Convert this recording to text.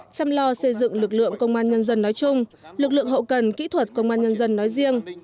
chăm lo xây dựng lực lượng công an nhân dân nói chung lực lượng hậu cần kỹ thuật công an nhân dân nói riêng